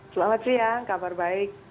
selamat siang kabar baik